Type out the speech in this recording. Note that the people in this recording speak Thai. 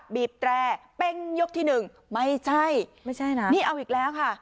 บีบแตรเป็นยกที่หนึ่งไม่ใช่ไม่ใช่นะนี่เอาอีกแล้วค่ะ